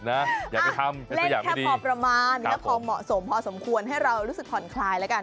อ่ะเล่นแค่พอประมาณพอสมพอสมควรให้เรารู้สึกผ่อนคลายแล้วกัน